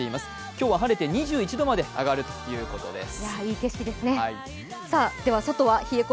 今日は晴れて２１度まで上がるということです。